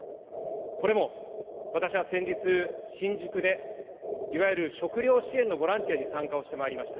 これも私は先日、新宿で、いわゆる食料支援のボランティアに参加をしてまいりました。